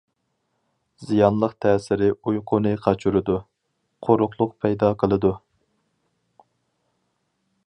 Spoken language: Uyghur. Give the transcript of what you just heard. زىيانلىق تەسىرى ئۇيقۇنى قاچۇرىدۇ، قۇرۇقلۇق پەيدا قىلىدۇ.